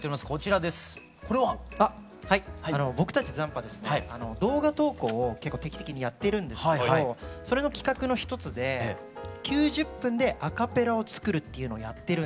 僕たち斬波ですね動画投稿を結構定期的にやってるんですけどそれの企画の一つで９０分でアカペラを作るっていうのやってるんですよ。